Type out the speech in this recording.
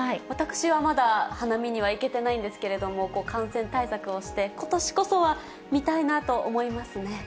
私はまだ花見には行けてないんですけれども、感染対策をして、ことしこそは見たいなと思いますね。